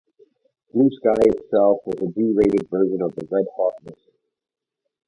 Blue Sky itself was a de-rated version of the Red Hawk missile.